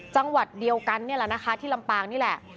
จังหวัดเดียวกันนี่แหละนะคะที่ลำปางนี่แหละ